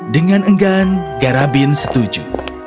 dengan enggan garabin setuju